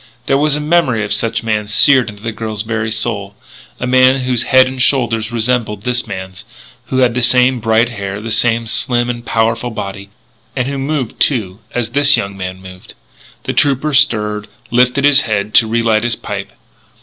There was a memory of such a man seared into the girl's very soul; a man whose head and shoulders resembled this man's, who had the same bright hair, the same slim and powerful body, and who moved, too, as this young man moved. The trooper stirred, lifted his head to relight his pipe.